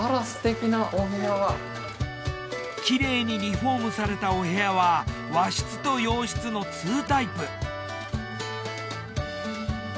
きれいにリフォームされたお部屋は和室と洋室の２タイプ。